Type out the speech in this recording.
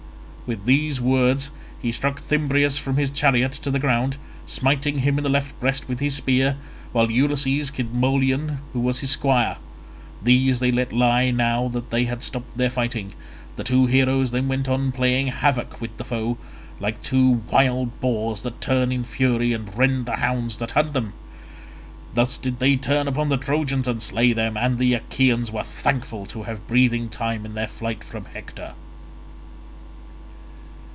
With these words he struck Thymbraeus from his chariot to the ground, smiting him in the left breast with his spear, while Ulysses killed Molion who was his squire. These they let lie, now that they had stopped their fighting; the two heroes then went on playing havoc with the foe, like two wild boars that turn in fury and rend the hounds that hunt them. Thus did they turn upon the Trojans and slay them, and the Achaeans were thankful to have breathing time in their flight from Hector.